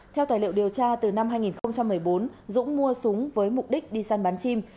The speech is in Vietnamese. theo tài liệu điều tra từ năm hai nghìn một mươi bốn dũng mua súng với mục đích đi săn bắn chim